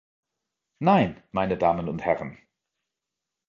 Nein, meine Damen und Herren.